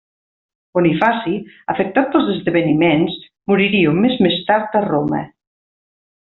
Bonifaci, afectat pels esdeveniments, moriria un mes més tard a Roma.